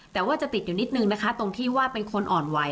แต่ว่าจะติดอยู่นิดนึงนะคะตรงที่ว่าเป็นคนอ่อนไหว